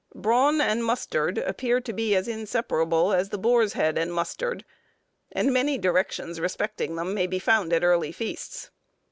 Brawn and mustard appear to be as inseparable as the boar's head and mustard, and many directions respecting them may be found at early feasts.